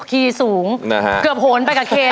คีย์สูงเกือบโหนไปกับเค